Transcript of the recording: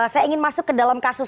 saya ingin masuk ke dalam kasus